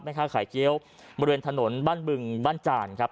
ค้าขายเกี้ยวบริเวณถนนบ้านบึงบ้านจานครับ